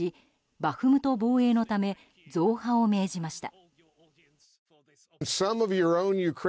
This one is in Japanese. バフムト防衛のため増派を命じました。